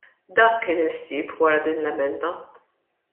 Dak kien il-ħsieb wara din l-emenda.